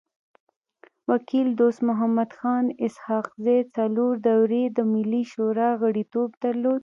وکيل دوست محمد خان اسحق زی څلور دوري د ملي شورا غړیتوب درلود.